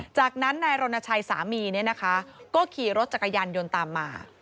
จากนั้นนายรณชัยสามีเนี่ยนะคะก็ขี่รถจักรยานยนต์ตามมา